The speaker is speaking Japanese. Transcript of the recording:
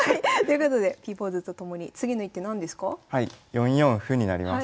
４四歩になります。